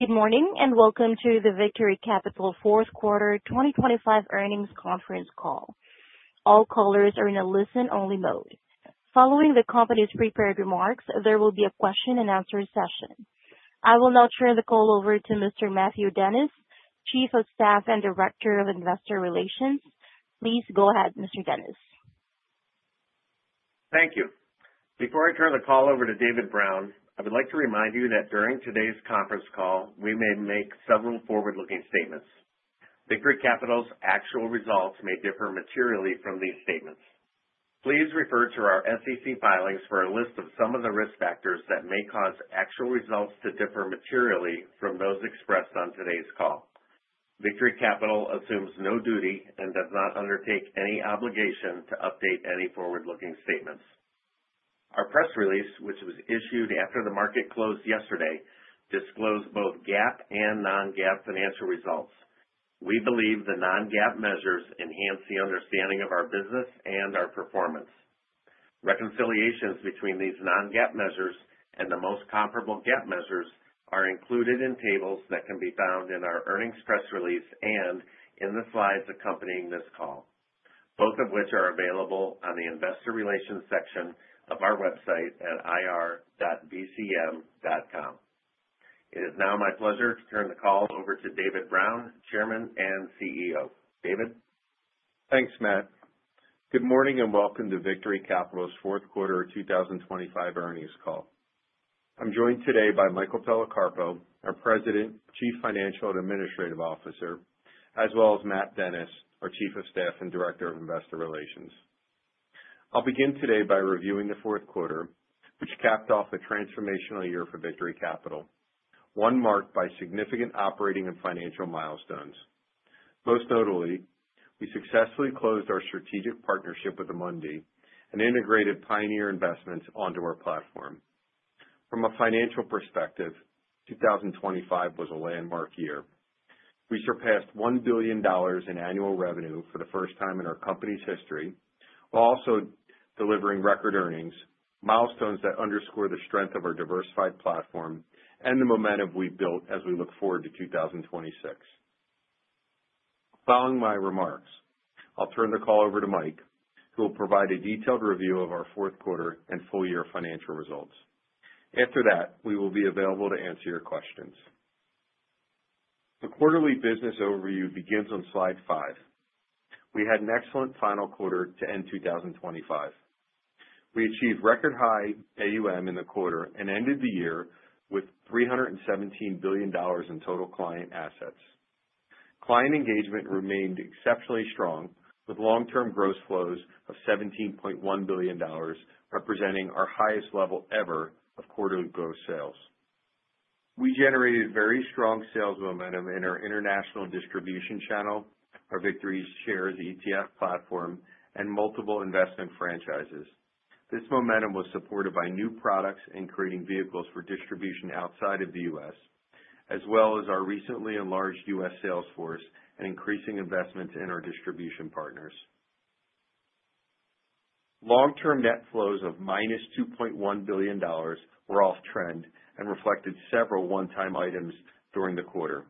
Good morning and welcome to the Victory Capital fourth quarter 2025 earnings conference call. All callers are in a listen-only mode. Following the company's prepared remarks, there will be a question-and-answer session. I will now turn the call over to Mr. Matthew Dennis, Chief of Staff and Director of Investor Relations. Please go ahead, Mr. Dennis. Thank you. Before I turn the call over to David Brown, I would like to remind you that during today's conference call we may make several forward-looking statements. Victory Capital's actual results may differ materially from these statements. Please refer to our SEC filings for a list of some of the risk factors that may cause actual results to differ materially from those expressed on today's call. Victory Capital assumes no duty and does not undertake any obligation to update any forward-looking statements. Our press release, which was issued after the market closed yesterday, disclosed both GAAP and non-GAAP financial results. We believe the non-GAAP measures enhance the understanding of our business and our performance. Reconciliations between these non-GAAP measures and the most comparable GAAP measures are included in tables that can be found in our earnings press release and in the slides accompanying this call, both of which are available on the Investor Relations section of our website at ir.victorycapital.com. It is now my pleasure to turn the call over to David Brown, Chairman and CEO. David? Thanks, Matt. Good morning and welcome to Victory Capital's fourth quarter 2025 earnings call. I'm joined today by Michael Policarpo, our President, Chief Financial and Administrative Officer, as well as Matt Dennis, our Chief of Staff and Director of Investor Relations. I'll begin today by reviewing the fourth quarter, which capped off a transformational year for Victory Capital, one marked by significant operating and financial milestones. Most notably, we successfully closed our strategic partnership with Amundi and integrated Pioneer Investments onto our platform. From a financial perspective, 2025 was a landmark year. We surpassed $1 billion in annual revenue for the first time in our company's history, while also delivering record earnings, milestones that underscore the strength of our diversified platform and the momentum we've built as we look forward to 2026.Following my remarks, I'll turn the call over to Mike, who will provide a detailed review of our fourth quarter and full-year financial results. After that, we will be available to answer your questions. The quarterly business overview begins on slide five. We had an excellent final quarter to end 2025. We achieved record-high AUM in the quarter and ended the year with $317 billion in total client assets. Client engagement remained exceptionally strong, with long-term gross flows of $17.1 billion, representing our highest level ever of quarterly gross sales. We generated very strong sales momentum in our international distribution channel, our VictoryShares ETF platform, and multiple investment franchises. This momentum was supported by new products and creating vehicles for distribution outside of the U.S., as well as our recently enlarged U.S. sales force and increasing investments in our distribution partners. Long-term net flows of $-2.1 billion were off-trend and reflected several one-time items during the quarter.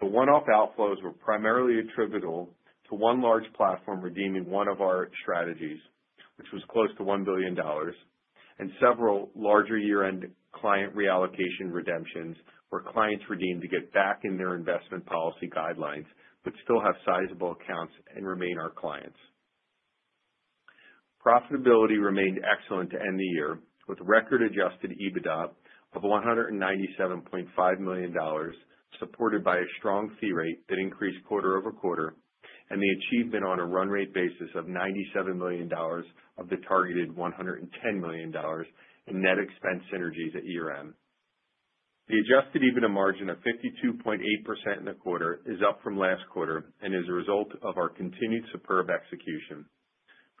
The one-off outflows were primarily attributable to one large platform redeeming one of our strategies, which was close to $1 billion, and several larger year-end client reallocation redemptions where clients redeemed to get back in their investment policy guidelines but still have sizable accounts and remain our clients. Profitability remained excellent to end the year, with record-adjusted EBITDA of $197.5 million, supported by a strong fee rate that increased quarter-over-quarter, and the achievement on a run-rate basis of $97 million of the targeted $110 million in net expense synergies at year-end. The adjusted EBITDA margin of 52.8% in the quarter is up from last quarter and is a result of our continued superb execution.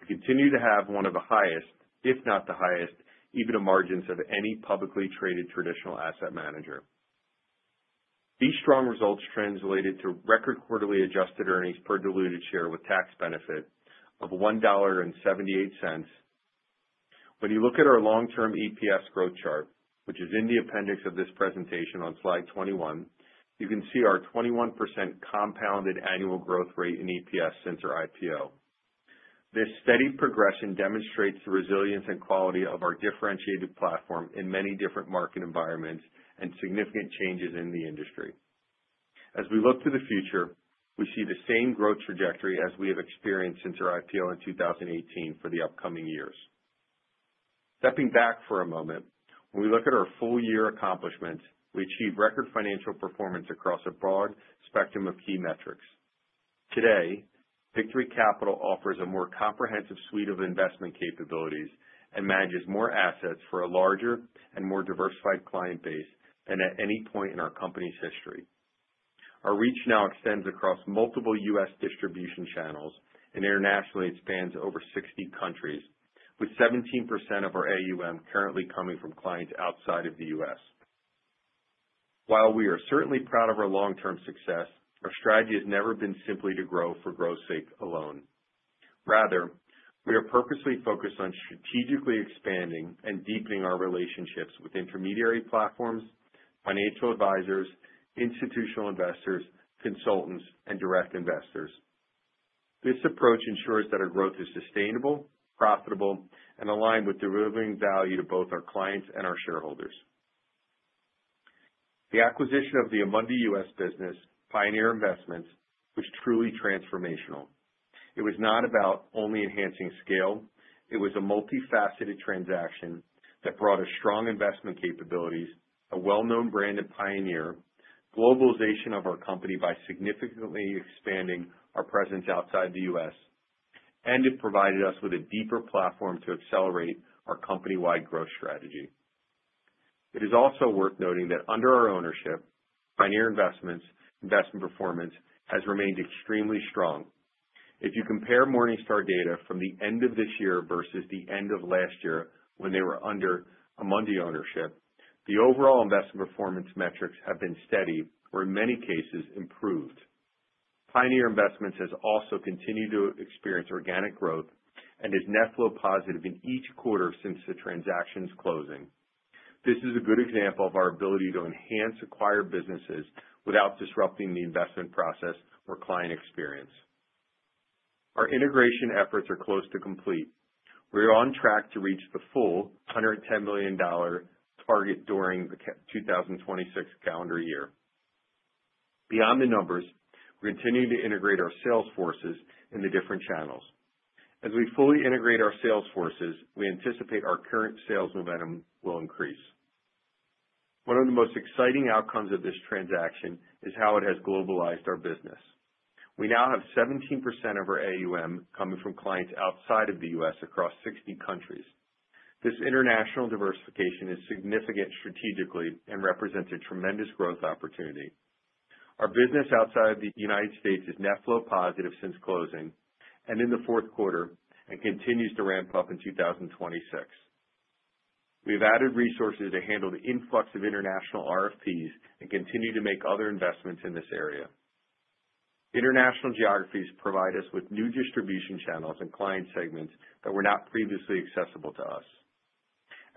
We continue to have one of the highest, if not the highest, EBITDA margins of any publicly traded traditional asset manager. These strong results translated to record quarterly adjusted earnings per diluted share with tax benefit of $1.78. When you look at our long-term EPS growth chart, which is in the appendix of this presentation on slide 21, you can see our 21% compounded annual growth rate in EPS since our IPO. This steady progression demonstrates the resilience and quality of our differentiated platform in many different market environments and significant changes in the industry. As we look to the future, we see the same growth trajectory as we have experienced since our IPO in 2018 for the upcoming years. Stepping back for a moment, when we look at our full-year accomplishments, we achieve record financial performance across a broad spectrum of key metrics. Today, Victory Capital offers a more comprehensive suite of investment capabilities and manages more assets for a larger and more diversified client base than at any point in our company's history. Our reach now extends across multiple U.S. distribution channels and internationally expands over 60 countries, with 17% of our AUM currently coming from clients outside of the U.S. While we are certainly proud of our long-term success, our strategy has never been simply to grow for growth's sake alone. Rather, we are purposely focused on strategically expanding and deepening our relationships with intermediary platforms, financial advisors, institutional investors, consultants, and direct investors. This approach ensures that our growth is sustainable, profitable, and aligned with delivering value to both our clients and our shareholders. The acquisition of the Amundi U.S. business, Pioneer Investments, was truly transformational. It was not about only enhancing scale. It was a multifaceted transaction that brought us strong investment capabilities, a well-known brand of Pioneer, globalization of our company by significantly expanding our presence outside the U.S., and it provided us with a deeper platform to accelerate our company-wide growth strategy. It is also worth noting that under our ownership, Pioneer Investments' investment performance has remained extremely strong. If you compare Morningstar data from the end of this year versus the end of last year when they were under Amundi ownership, the overall investment performance metrics have been steady or, in many cases, improved. Pioneer Investments has also continued to experience organic growth and is net-flow positive in each quarter since the transaction's closing. This is a good example of our ability to enhance acquired businesses without disrupting the investment process or client experience. Our integration efforts are close to complete. We are on track to reach the full $110 million target during the 2026 calendar year. Beyond the numbers, we continue to integrate our sales forces in the different channels. As we fully integrate our sales forces, we anticipate our current sales momentum will increase. One of the most exciting outcomes of this transaction is how it has globalized our business. We now have 17% of our AUM coming from clients outside of the U.S. across 60 countries. This international diversification is significant strategically and represents a tremendous growth opportunity. Our business outside of the United States is net-flow positive since closing and in the fourth quarter and continues to ramp up in 2026. We have added resources to handle the influx of international RFPs and continue to make other investments in this area. International geographies provide us with new distribution channels and client segments that were not previously accessible to us.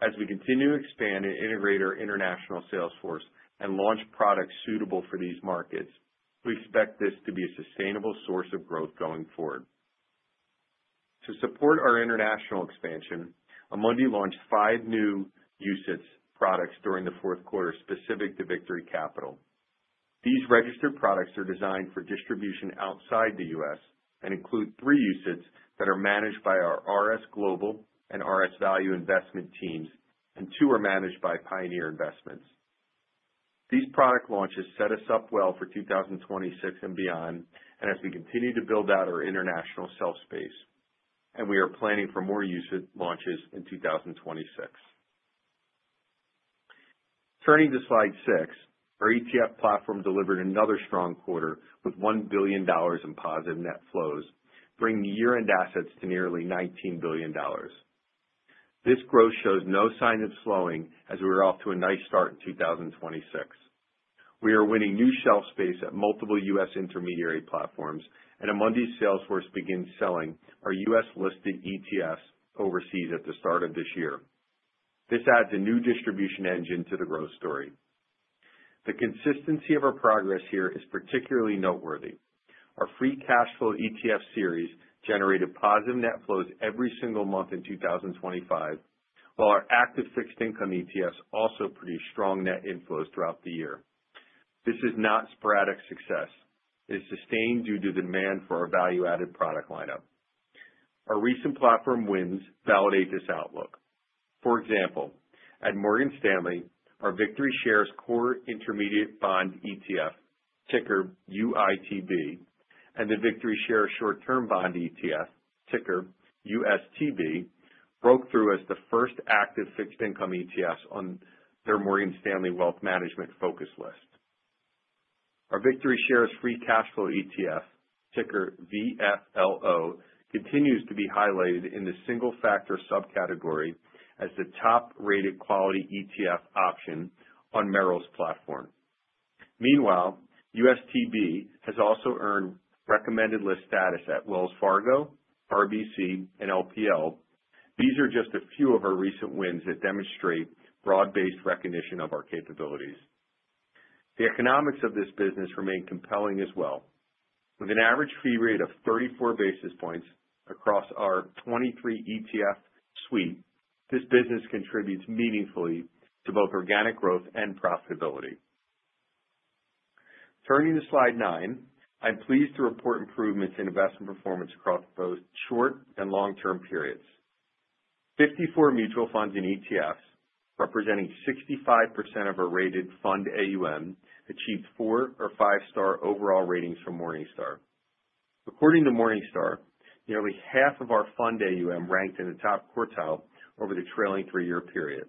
As we continue to expand and integrate our international sales force and launch products suitable for these markets, we expect this to be a sustainable source of growth going forward. To support our international expansion, Amundi launched 5 new UCITS products during the fourth quarter specific to Victory Capital. These registered products are designed for distribution outside the U.S. and include three UCITS that are managed by our RS Global and RS Value Investment teams, and two are managed by Pioneer Investments. These product launches set us up well for 2026 and beyond, and as we continue to build out our international sales space. We are planning for more UCITS launches in 2026. Turning to slide 6, our ETF platform delivered another strong quarter with $1 billion in positive net flows, bringing year-end assets to nearly $19 billion. This growth shows no signs of slowing as we are off to a nice start in 2026. We are winning new shelf space at multiple U.S. intermediary platforms, and Amundi's sales force begins selling our U.S.-listed ETFs overseas at the start of this year. This adds a new distribution engine to the growth story. The consistency of our progress here is particularly noteworthy. Our free cash flow ETF series generated positive net flows every single month in 2025, while our active fixed income ETFs also produced strong net inflows throughout the year. This is not sporadic success. It is sustained due to the demand for our value-added product lineup. Our recent platform wins validate this outlook. For example, at Morgan Stanley, our VictoryShares Core Intermediate Bond ETF, ticker UITB, and the VictoryShares Short-Term Bond ETF, ticker USTB, broke through as the first active fixed income ETFs on their Morgan Stanley Wealth Management focus list. Our VictoryShares Free Cash Flow ETF, ticker VFLO, continues to be highlighted in the single-factor subcategory as the top-rated quality ETF option on Merrill's platform. Meanwhile, USTB has also earned recommended list status at Wells Fargo, RBC, and LPL. These are just a few of our recent wins that demonstrate broad-based recognition of our capabilities. The economics of this business remain compelling as well. With an average fee rate of 34 basis points across our 23 ETF suite, this business contributes meaningfully to both organic growth and profitability. Turning to slide 9, I'm pleased to report improvements in investment performance across both short and long-term periods. 54 mutual funds and ETFs, representing 65% of our rated fund AUM, achieved four or five-star overall ratings from Morningstar. According to Morningstar, nearly half of our fund AUM ranked in the top quartile over the trailing three-year period.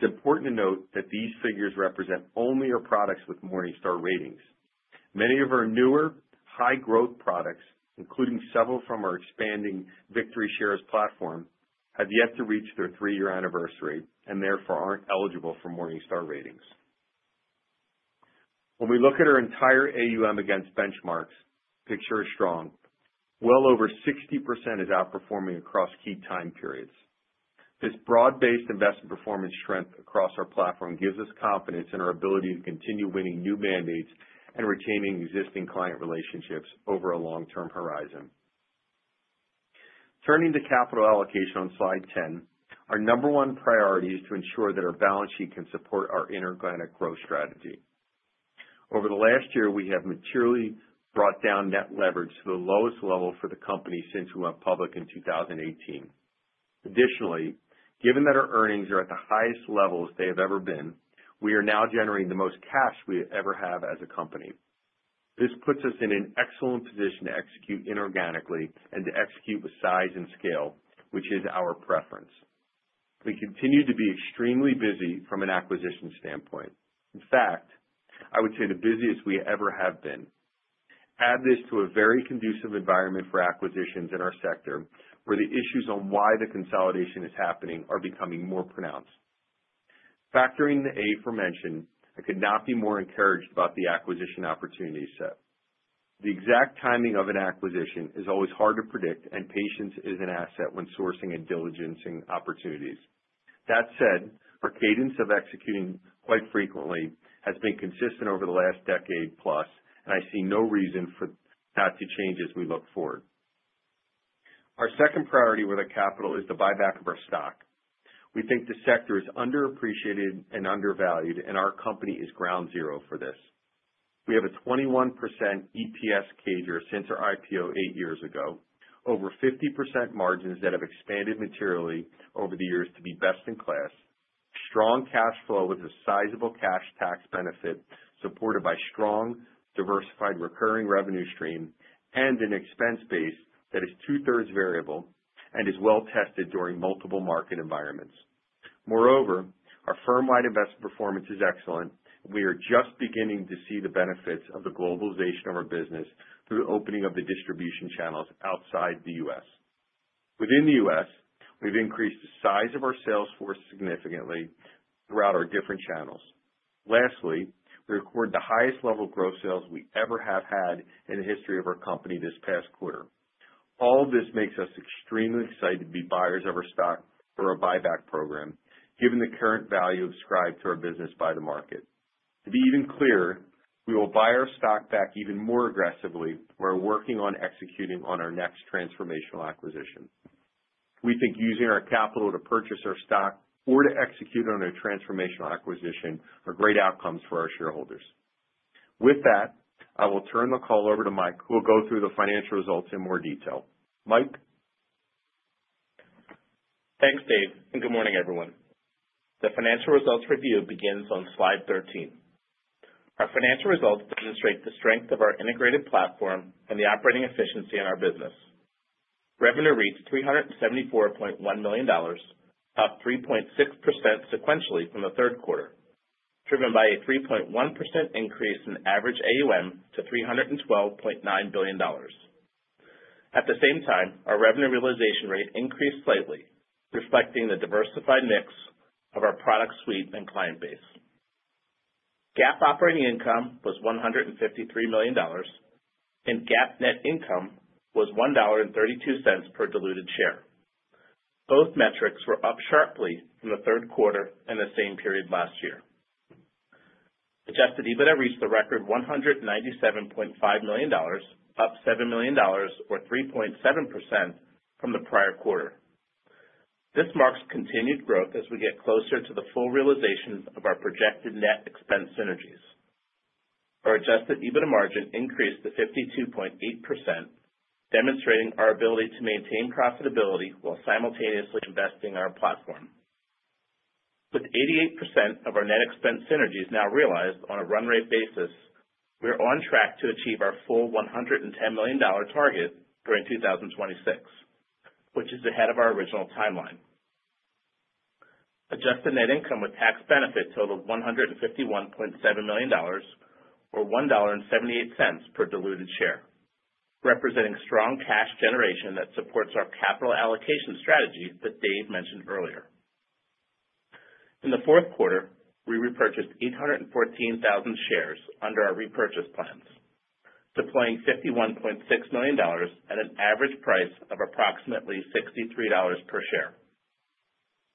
It's important to note that these figures represent only our products with Morningstar ratings. Many of our newer, high-growth products, including several from our expanding VictoryShares platform, have yet to reach their three-year anniversary and therefore aren't eligible for Morningstar ratings. When we look at our entire AUM against benchmarks, the picture is strong. Well over 60% is outperforming across key time periods. This broad-based investment performance strength across our platform gives us confidence in our ability to continue winning new mandates and retaining existing client relationships over a long-term horizon. Turning to capital allocation on slide 10, our number one priority is to ensure that our balance sheet can support our inorganic growth strategy. Over the last year, we have materially brought down net leverage to the lowest level for the company since we went public in 2018. Additionally, given that our earnings are at the highest levels they have ever been, we are now generating the most cash we ever have as a company. This puts us in an excellent position to execute inorganically and to execute with size and scale, which is our preference. We continue to be extremely busy from an acquisition standpoint. In fact, I would say the busiest we ever have been. Add this to a very conducive environment for acquisitions in our sector, where the issues on why the consolidation is happening are becoming more pronounced. Factoring the aforementioned, I could not be more encouraged about the acquisition opportunity set. The exact timing of an acquisition is always hard to predict, and patience is an asset when sourcing and diligencing opportunities. That said, our cadence of executing quite frequently has been consistent over the last decade plus, and I see no reason for that to change as we look forward. Our second priority with our capital is the buyback of our stock. We think the sector is underappreciated and undervalued, and our company is ground zero for this. We have a 21% EPS CAGR since our IPO eight years ago, over 50% margins that have expanded materially over the years to be best in class, strong cash flow with a sizable cash tax benefit supported by strong, diversified recurring revenue stream, and an expense base that is two-thirds variable and is well-tested during multiple market environments. Moreover, our firm-wide investment performance is excellent, and we are just beginning to see the benefits of the globalization of our business through the opening of the distribution channels outside the US. Within the US, we've increased the size of our sales force significantly throughout our different channels. Lastly, we record the highest level of growth sales we ever have had in the history of our company this past quarter. All of this makes us extremely excited to be buyers of our stock for our buyback program, given the current value ascribed to our business by the market. To be even clear, we will buy our stock back even more aggressively where we're working on executing on our next transformational acquisition. We think using our capital to purchase our stock or to execute on a transformational acquisition are great outcomes for our shareholders. With that, I will turn the call over to Mike, who will go through the financial results in more detail. Mike? Thanks, Dave, and good morning, everyone. The financial results review begins on slide 13. Our financial results demonstrate the strength of our integrated platform and the operating efficiency in our business. Revenue reached $374.1 million, up 3.6% sequentially from the third quarter, driven by a 3.1% increase in average AUM to $312.9 billion. At the same time, our revenue realization rate increased slightly, reflecting the diversified mix of our product suite and client base. GAAP operating income was $153 million, and GAAP net income was $1.32 per diluted share. Both metrics were up sharply from the third quarter and the same period last year. Adjusted EBITDA reached the record $197.5 million, up $7 million or 3.7% from the prior quarter. This marks continued growth as we get closer to the full realization of our projected net expense synergies. Our Adjusted EBITDA margin increased to 52.8%, demonstrating our ability to maintain profitability while simultaneously investing our platform. With 88% of our net expense synergies now realized on a run-rate basis, we are on track to achieve our full $110 million target during 2026, which is ahead of our original timeline. Adjusted net income with tax benefit totaled $151.7 million or $1.78 per diluted share, representing strong cash generation that supports our capital allocation strategy that Dave mentioned earlier. In the fourth quarter, we repurchased 814,000 shares under our repurchase plans, deploying $51.6 million at an average price of approximately $63 per share.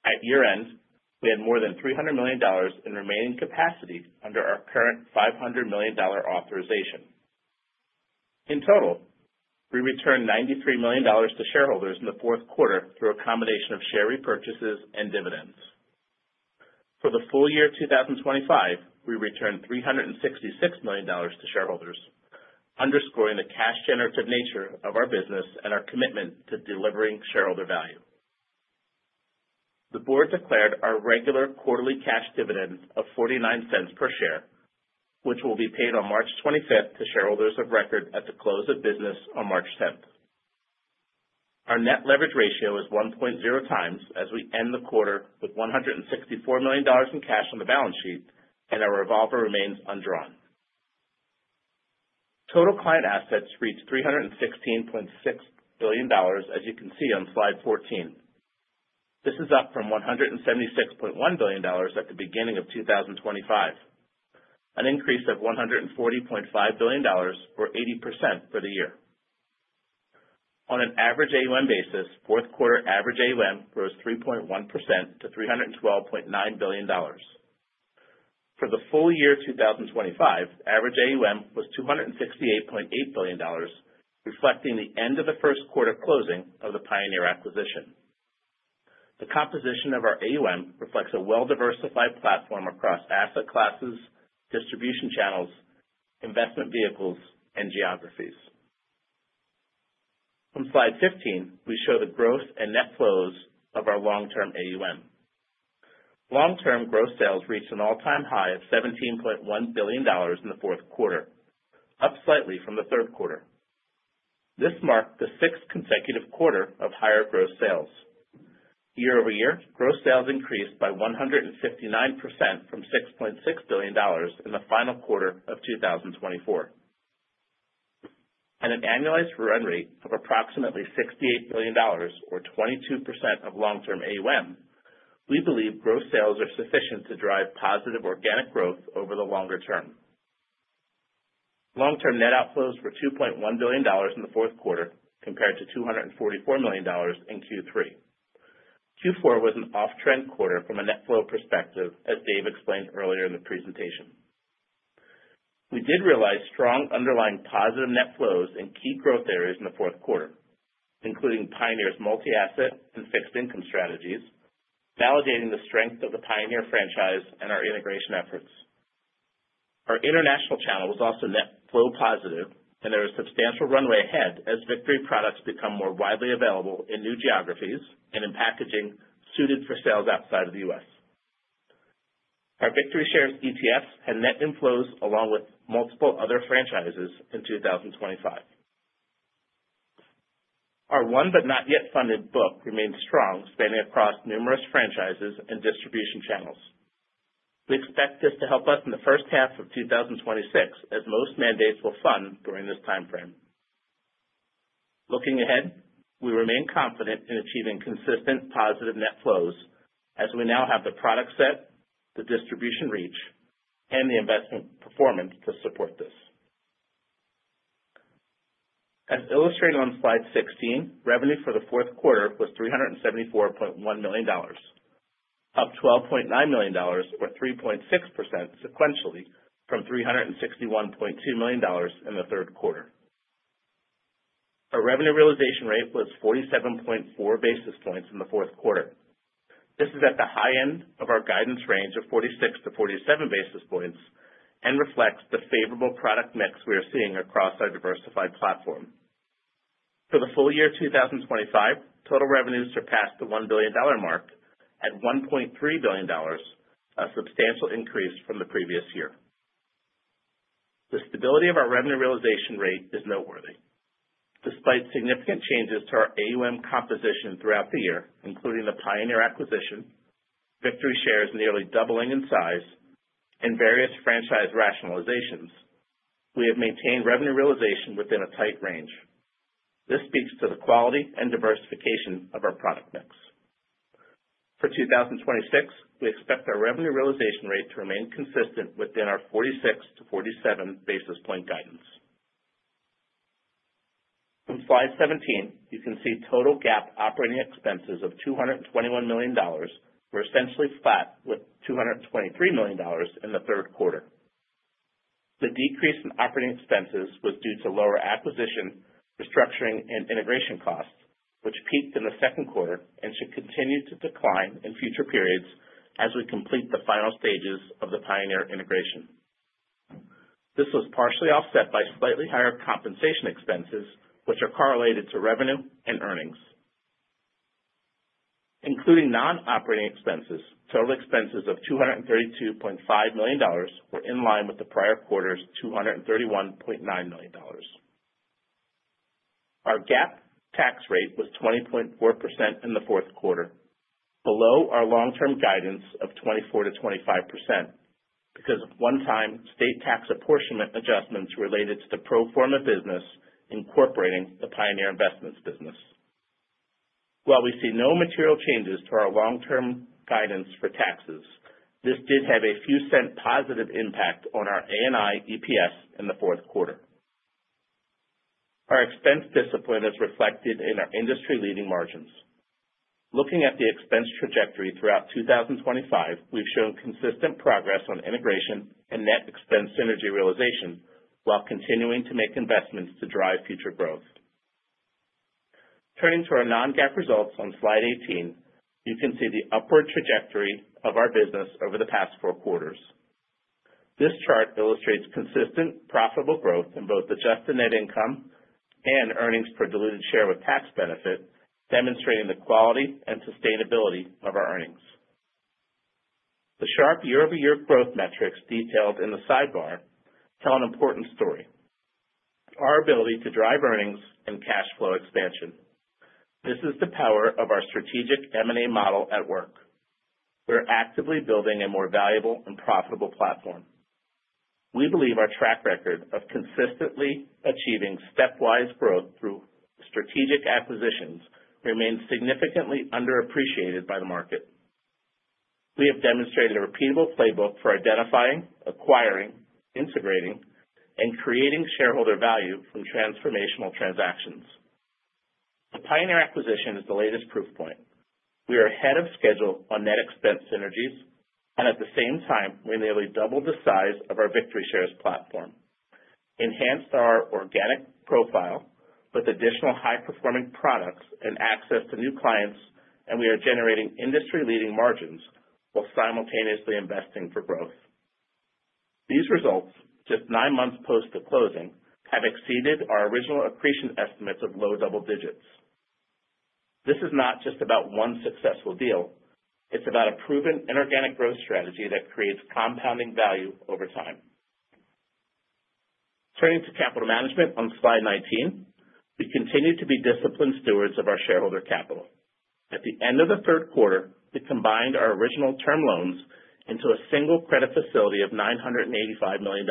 At year-end, we had more than $300 million in remaining capacity under our current $500 million authorization. In total, we returned $93 million to shareholders in the fourth quarter through a combination of share repurchases and dividends. For the full year 2025, we returned $366 million to shareholders, underscoring the cash-generative nature of our business and our commitment to delivering shareholder value. The board declared our regular quarterly cash dividend of $0.49 per share, which will be paid on March 25th to shareholders of record at the close of business on March 10th. Our net leverage ratio is 1.0 times as we end the quarter with $164 million in cash on the balance sheet, and our revolver remains undrawn. Total client assets reached $316.6 billion, as you can see on slide 14. This is up from $176.1 billion at the beginning of 2025, an increase of $140.5 billion or 80% for the year. On an average AUM basis, fourth-quarter average AUM rose 3.1% to $312.9 billion. For the full year 2025, average AUM was $268.8 billion, reflecting the end of the first quarter closing of the Pioneer acquisition. The composition of our AUM reflects a well-diversified platform across asset classes, distribution channels, investment vehicles, and geographies. On slide 15, we show the growth and net flows of our long-term AUM. Long-term growth sales reached an all-time high of $17.1 billion in the fourth quarter, up slightly from the third quarter. This marked the sixth consecutive quarter of higher growth sales. Year-over-year, growth sales increased by 159% from $6.6 billion in the final quarter of 2024. At an annualized run rate of approximately $68 billion or 22% of long-term AUM, we believe growth sales are sufficient to drive positive organic growth over the longer term. Long-term net outflows were $2.1 billion in the fourth quarter compared to $244 million in Q3. Q4 was an off-trend quarter from a net flow perspective, as Dave explained earlier in the presentation. We did realize strong underlying positive net flows in key growth areas in the fourth quarter, including Pioneer's multi-asset and fixed income strategies, validating the strength of the Pioneer franchise and our integration efforts. Our international channel was also net flow positive, and there is substantial runway ahead as Victory products become more widely available in new geographies and in packaging suited for sales outside of the U.S. Our VictoryShares ETFs had net inflows along with multiple other franchises in 2025. Our won but not yet funded book remained strong, spanning across numerous franchises and distribution channels. We expect this to help us in the first half of 2026, as most mandates will fund during this time frame. Looking ahead, we remain confident in achieving consistent positive net flows as we now have the product set, the distribution reach, and the investment performance to support this. As illustrated on slide 16, revenue for the fourth quarter was $374.1 million, up $12.9 million or 3.6% sequentially from $361.2 million in the third quarter. Our revenue realization rate was 47.4 basis points in the fourth quarter. This is at the high end of our guidance range of 46-47 basis points and reflects the favorable product mix we are seeing across our diversified platform. For the full year 2025, total revenues surpassed the $1 billion mark at $1.3 billion, a substantial increase from the previous year. The stability of our revenue realization rate is noteworthy. Despite significant changes to our AUM composition throughout the year, including the Pioneer acquisition, VictoryShares nearly doubling in size, and various franchise rationalizations, we have maintained revenue realization within a tight range. This speaks to the quality and diversification of our product mix. For 2026, we expect our revenue realization rate to remain consistent within our 46-47 basis point guidance. On slide 17, you can see total GAAP operating expenses of $221 million were essentially flat with $223 million in the third quarter. The decrease in operating expenses was due to lower acquisition, restructuring, and integration costs, which peaked in the second quarter and should continue to decline in future periods as we complete the final stages of the Pioneer integration. This was partially offset by slightly higher compensation expenses, which are correlated to revenue and earnings. Including non-operating expenses, total expenses of $232.5 million were in line with the prior quarter's $231.9 million. Our GAAP tax rate was 20.4% in the fourth quarter, below our long-term guidance of 24%-25% because of one-time state tax apportionment adjustments related to the pro forma business incorporating the Pioneer Investments business. While we see no material changes to our long-term guidance for taxes, this did have a few-cent positive impact on our A&I EPS in the fourth quarter. Our expense discipline is reflected in our industry-leading margins. Looking at the expense trajectory throughout 2025, we've shown consistent progress on integration and net expense synergy realization while continuing to make investments to drive future growth. Turning to our non-GAAP results on slide 18, you can see the upward trajectory of our business over the past four quarters. This chart illustrates consistent profitable growth in both Adjusted Net Income and earnings per diluted share with tax benefit, demonstrating the quality and sustainability of our earnings. The sharp year-over-year growth metrics detailed in the sidebar tell an important story: our ability to drive earnings and cash flow expansion. This is the power of our strategic M&A model at work. We're actively building a more valuable and profitable platform. We believe our track record of consistently achieving stepwise growth through strategic acquisitions remains significantly underappreciated by the market. We have demonstrated a repeatable playbook for identifying, acquiring, integrating, and creating shareholder value from transformational transactions. The Pioneer acquisition is the latest proof point. We are ahead of schedule on net expense synergies, and at the same time, we nearly doubled the size of our VictoryShares platform, enhanced our organic profile with additional high-performing products and access to new clients, and we are generating industry-leading margins while simultaneously investing for growth. These results, just nine months post the closing, have exceeded our original accretion estimates of low double digits. This is not just about one successful deal. It's about a proven inorganic growth strategy that creates compounding value over time. Turning to capital management on slide 19, we continue to be disciplined stewards of our shareholder capital. At the end of the third quarter, we combined our original term loans into a single credit facility of $985 million.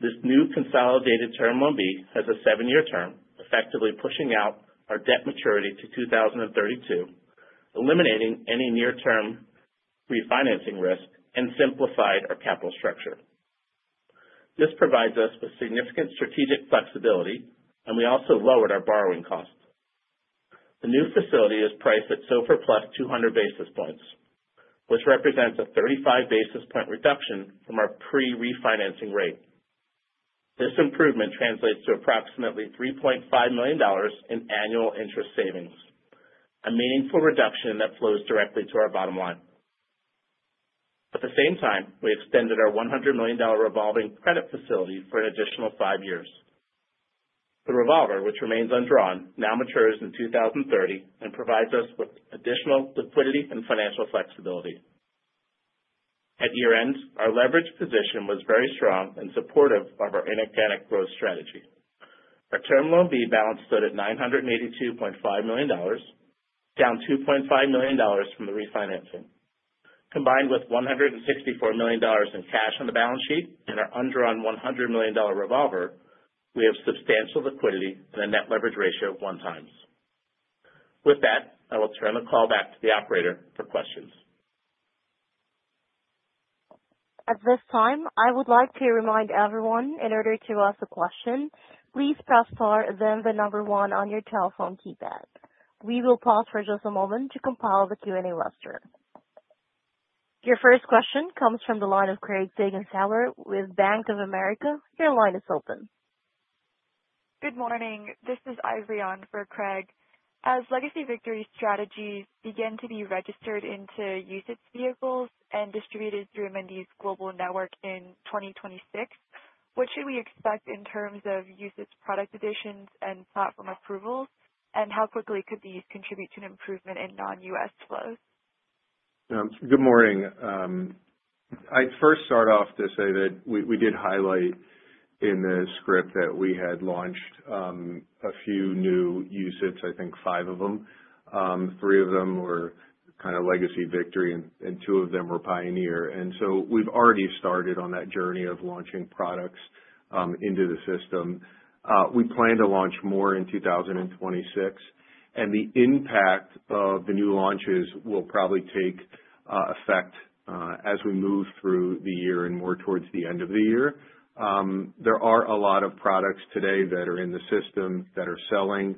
This new consolidated Term Loan B has a seven year term, effectively pushing out our debt maturity to 2032, eliminating any near-term refinancing risk, and simplified our capital structure. This provides us with significant strategic flexibility, and we also lowered our borrowing costs. The new facility is priced at SOFR plus 200 basis points, which represents a 35 basis points reduction from our pre-refinancing rate. This improvement translates to approximately $3.5 million in annual interest savings, a meaningful reduction that flows directly to our bottom line. At the same time, we extended our $100 million revolving credit facility for an additional five years. The revolver, which remains undrawn, now matures in 2030 and provides us with additional liquidity and financial flexibility. At year-end, our leverage position was very strong and supportive of our inorganic growth strategy. Our Term Loan B balance stood at $982.5 million, down $2.5 million from the refinancing. Combined with $164 million in cash on the balance sheet and our undrawn $100 million revolver, we have substantial liquidity and a net leverage ratio of 1x. With that, I will turn the call back to the operator for questions. At this time, I would like to remind everyone, in order to ask a question, please press star and then the number one on your telephone keypad. We will pause for just a moment to compile the Q&A roster. Your first question comes from the line of Craig Siegenthaler with Bank of America. Your line is open. Good morning. This is Isaiah for Craig. As legacy Victory strategies begin to be registered into UCITS vehicles and distributed through Amundi's global network in 2026, what should we expect in terms of UCITS product additions and platform approvals, and how quickly could these contribute to an improvement in non-U.S. flows? Good morning. I'd first start off to say that we did highlight in the script that we had launched a few new UCITS, I think five of them. three of them were kind of legacy Victory, and two of them were Pioneer. We've already started on that journey of launching products into the system. We plan to launch more in 2026, and the impact of the new launches will probably take effect as we move through the year and more towards the end of the year. There are a lot of products today that are in the system that are selling.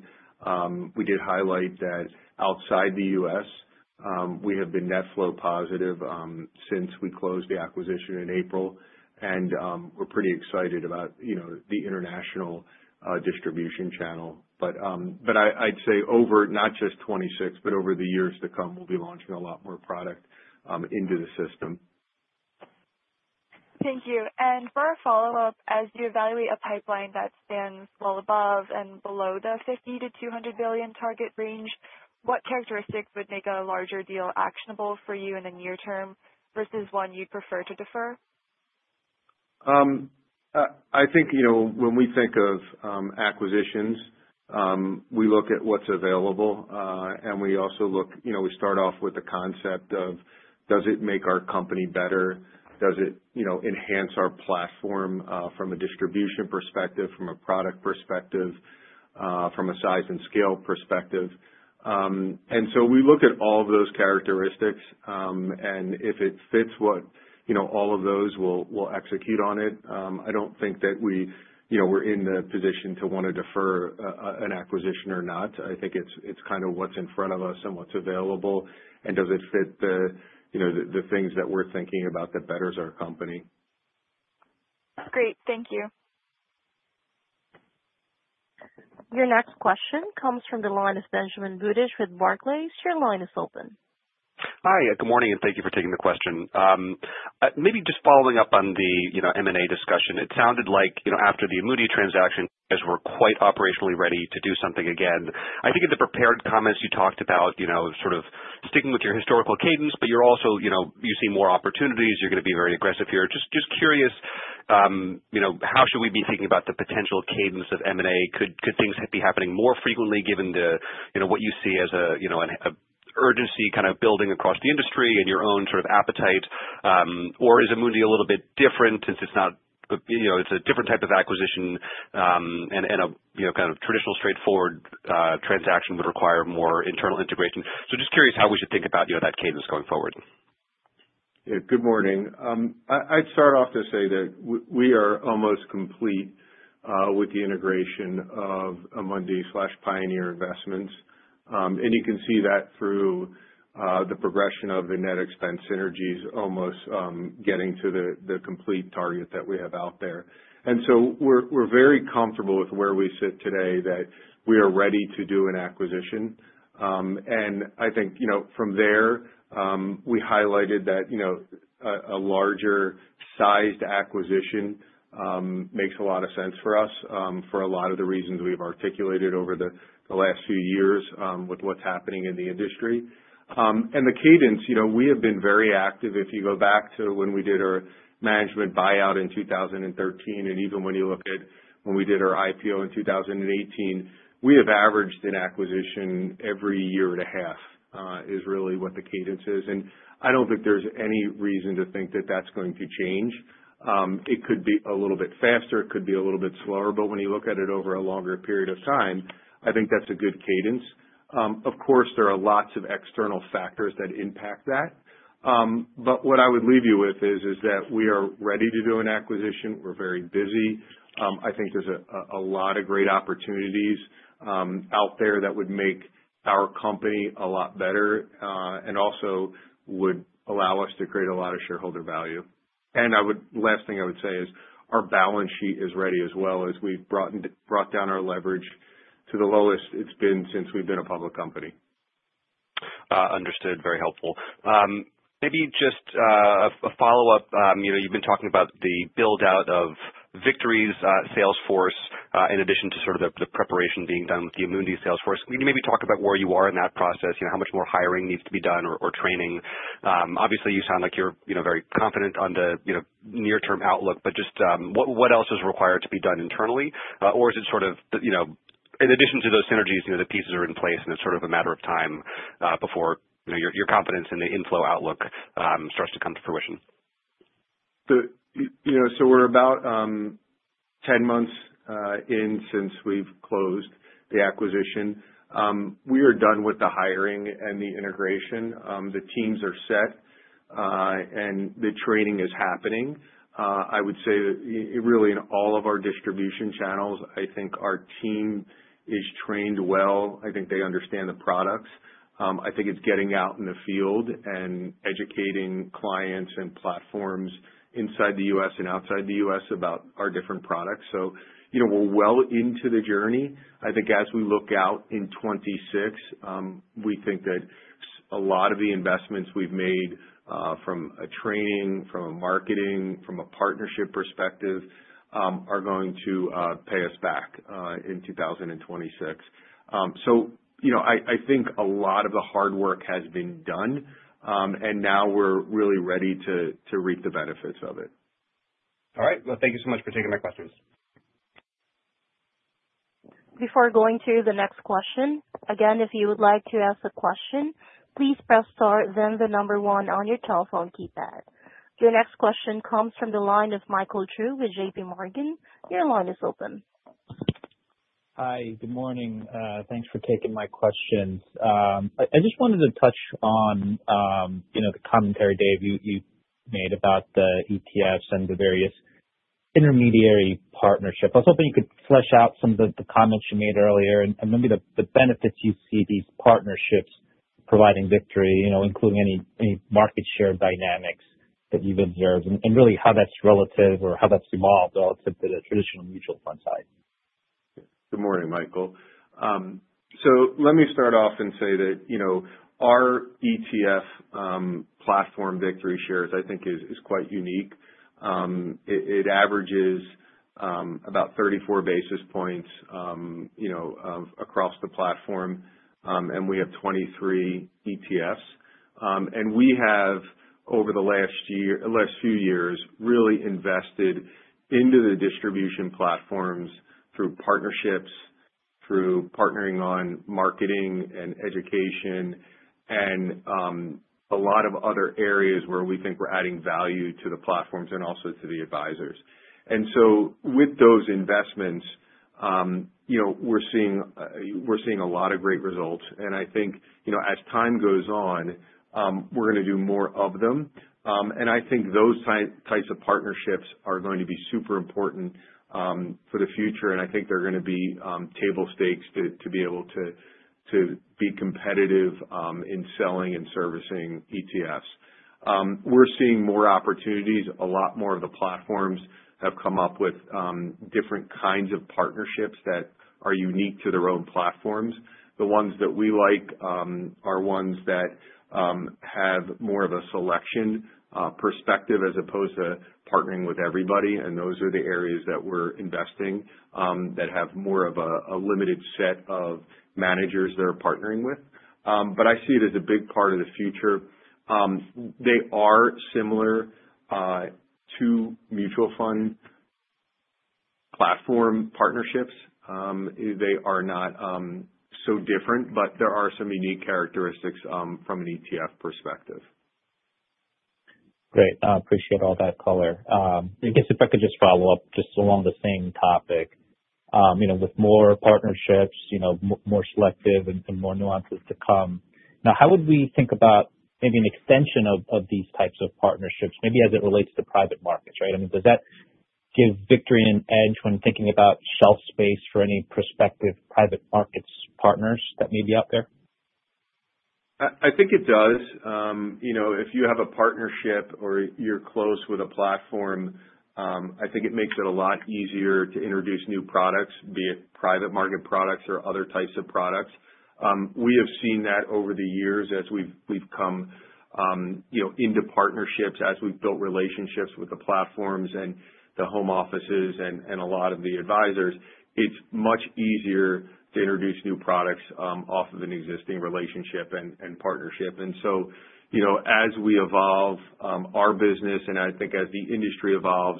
We did highlight that outside the U.S., we have been net flow positive since we closed the acquisition in April, and we're pretty excited about the international distribution channel. But I'd say over not just 2026, but over the years to come, we'll be launching a lot more product into the system. Thank you. And for a follow-up, as you evaluate a pipeline that stands well above and below the $50 billion-$200 billion target range, what characteristics would make a larger deal actionable for you in the near term versus one you'd prefer to defer? I think when we think of acquisitions, we look at what's available, and we also look, we start off with the concept of, does it make our company better? Does it enhance our platform from a distribution perspective, from a product perspective, from a size and scale perspective? And so we look at all of those characteristics, and if it fits what all of those we'll execute on it. I don't think that we're in the position to want to defer an acquisition or not. I think it's kind of what's in front of us and what's available, and does it fit the things that we're thinking about that betters our company? Great. Thank you. Your next question comes from the line of Benjamin Budish with Barclays. Your line is open. Hi. Good morning, and thank you for taking the question. Maybe just following up on the M&A discussion, it sounded like after the Amundi transaction, you guys were quite operationally ready to do something again. I think in the prepared comments, you talked about sort of sticking with your historical cadence, but you're also you see more opportunities. You're going to be very aggressive here. Just curious, how should we be thinking about the potential cadence of M&A? Could things be happening more frequently given what you see as an urgency kind of building across the industry and your own sort of appetite? Or is Amundi a little bit different since it's not, it's a different type of acquisition, and a kind of traditional straightforward transaction would require more internal integration? So just curious how we should think about that cadence going forward. Yeah. Good morning. I'd start off to say that we are almost complete with the integration of Amundi/Pioneer Investments, and you can see that through the progression of the net expense synergies almost getting to the complete target that we have out there. And so we're very comfortable with where we sit today, that we are ready to do an acquisition. I think from there, we highlighted that a larger-sized acquisition makes a lot of sense for us for a lot of the reasons we've articulated over the last few years with what's happening in the industry. And the cadence, we have been very active. If you go back to when we did our management buyout in 2013, and even when you look at when we did our IPO in 2018, we have averaged an acquisition every year and a half is really what the cadence is. And I don't think there's any reason to think that that's going to change. It could be a little bit faster. It could be a little bit slower. But when you look at it over a longer period of time, I think that's a good cadence. Of course, there are lots of external factors that impact that. But what I would leave you with is that we are ready to do an acquisition. We're very busy. I think there's a lot of great opportunities out there that would make our company a lot better and also would allow us to create a lot of shareholder value. And last thing I would say is our balance sheet is ready as well as we've brought down our leverage to the lowest it's been since we've been a public company. Understood. Very helpful. Maybe just a follow-up. You've been talking about the build-out of Victory's Sales force in addition to sort of the preparation being done with the Amundi Sales force. Can you maybe talk about where you are in that process, how much more hiring needs to be done or training? Obviously, you sound like you're very confident on the near-term outlook, but just what else is required to be done internally? Or is it sort of in addition to those synergies, the pieces are in place, and it's sort of a matter of time before your confidence in the inflow outlook starts to come to fruition? So we're about 10 months in since we've closed the acquisition. We are done with the hiring and the integration. The teams are set, and the training is happening. I would say that really in all of our distribution channels, I think our team is trained well. I think they understand the products. I think it's getting out in the field and educating clients and platforms inside the U.S. and outside the U.S. about our different products. So we're well into the journey. I think as we look out in 2026, we think that a lot of the investments we've made from a training, from a marketing, from a partnership perspective are going to pay us back in 2026. So I think a lot of the hard work has been done, and now we're really ready to reap the benefits of it. All right. Well, thank you so much for taking my questions. Before going to the next question, again, if you would like to ask a question, please press star, then the number one on your telephone keypad. Your next question comes from the line of Michael Cho with J.P. Morgan. Your line is open. Hi. Good morning. Thanks for taking my questions. I just wanted to touch on the commentary, Dave, you made about the ETFs and the various intermediary partnerships. I was hoping you could flesh out some of the comments you made earlier and maybe the benefits you see these partnerships providing Victory, including any market share dynamics that you've observed, and really how that's relative or how that's evolved relative to the traditional mutual fund side. Good morning, Michael. So let me start off and say that our ETF platform, VictoryShares, I think is quite unique. It averages about 34 basis points across the platform, and we have 23 ETFs. And we have, over the last few years, really invested into the distribution platforms through partnerships, through partnering on marketing and education, and a lot of other areas where we think we're adding value to the platforms and also to the advisors. And so with those investments, we're seeing a lot of great results. And I think as time goes on, we're going to do more of them. And I think those types of partnerships are going to be super important for the future, and I think they're going to be table stakes to be able to be competitive in selling and servicing ETFs. We're seeing more opportunities. A lot more of the platforms have come up with different kinds of partnerships that are unique to their own platforms. The ones that we like are ones that have more of a selection perspective as opposed to partnering with everybody, and those are the areas that we're investing that have more of a limited set of managers they're partnering with. But I see it as a big part of the future. They are similar to mutual fund platform partnerships. They are not so different, but there are some unique characteristics from an ETF perspective. Great. I appreciate all that color. I guess if I could just follow up just along the same topic, with more partnerships, more selective, and more nuances to come. Now, how would we think about maybe an extension of these types of partnerships, maybe as it relates to private markets, right? I mean, does that give Victory an edge when thinking about shelf space for any prospective private markets partners that may be out there? I think it does. If you have a partnership or you're close with a platform, I think it makes it a lot easier to introduce new products, be it private market products or other types of products. We have seen that over the years as we've come into partnerships, as we've built relationships with the platforms and the home offices and a lot of the advisors. It's much easier to introduce new products off of an existing relationship and partnership. And so as we evolve our business, and I think as the industry evolves,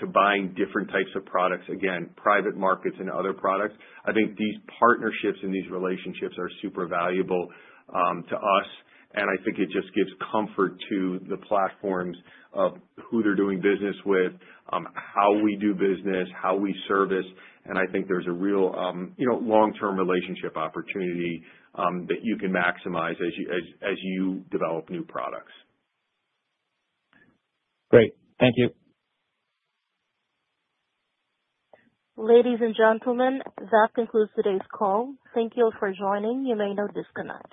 to buying different types of products, again, private markets and other products, I think these partnerships and these relationships are super valuable to us. And I think it just gives comfort to the platforms of who they're doing business with, how we do business, how we service. And I think there's a real long-term relationship opportunity that you can maximize as you develop new products. Great. Thank you. Ladies and gentlemen, that concludes today's call. Thank you all for joining. You may now disconnect.